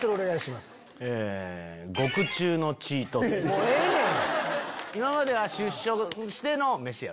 もうええねん！